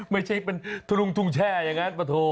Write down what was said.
ไม่ใช่เป็นทะลุงทุ่งแช่อย่างนั้นปะโถ